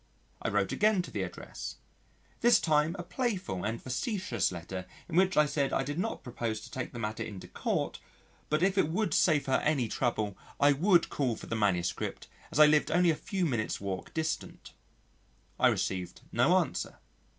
I wrote again to the address this time a playful and facetious letter in which I said I did not propose to take the matter into court, but if it would save her any trouble I would call for the MS. as I lived only a few minutes' walk distant. I received no answer.